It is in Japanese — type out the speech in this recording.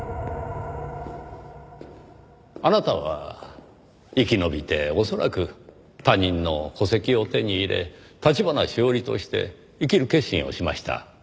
あなたは生き延びて恐らく他人の戸籍を手に入れ橘志織として生きる決心をしました。